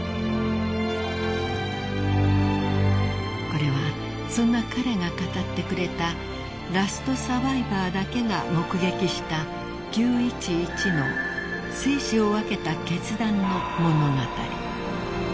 ［これはそんな彼が語ってくれたラストサバイバーだけが目撃した９．１１の生死を分けた決断の物語］